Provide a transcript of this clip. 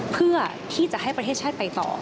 เพื่อที่จะให้ประเทศชาติไปต่อ